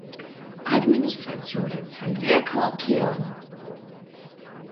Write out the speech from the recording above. ადმინისტრაციული ცენტრია ქალაქი ონი.